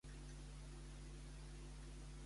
A quins membres de la reialesa va instruir?